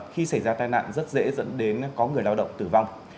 khi xảy ra tai nạn rất dễ dẫn đến có người lao động tử vong